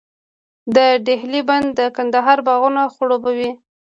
د دهلې بند د کندهار باغونه خړوبوي.